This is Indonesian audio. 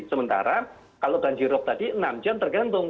sementara kalau banjir lokal tadi enam jam tergantung